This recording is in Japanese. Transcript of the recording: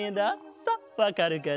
さあわかるかな？